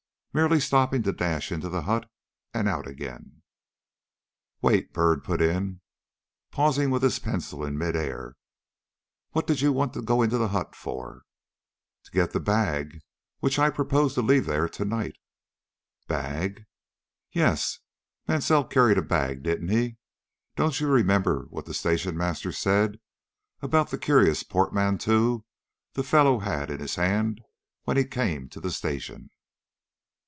Merely stopping to dash into the hut and out again " "Wait!" put in Byrd, pausing with his pencil in mid air; "what did you want to go into the hut for?" "To get the bag which I propose to leave there to night." "Bag?" [Illustration: (Page 364)] "Yes; Mansell carried a bag, didn't he? Don't you remember what the station master said about the curious portmanteau the fellow had in his hand when he came to the station?"